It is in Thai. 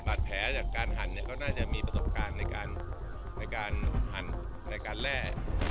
บาดแผลจากการหันเนี่ยเขาน่าจะมีประสบการณ์ในการในการหันในการแล่